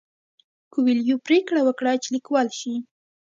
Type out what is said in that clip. کویلیو پریکړه وکړه چې لیکوال شي.